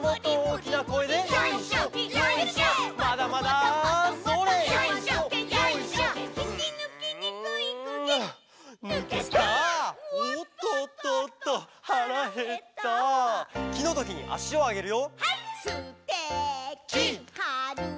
「『き』のときにあしをあげるよ」